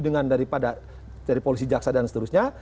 dengan daripada dari polisi jaksa dan seterusnya